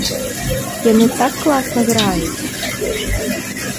Яны так класна граюць!